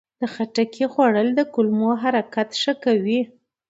د خټکي خوړل د کولمو حرکت ښه کوي.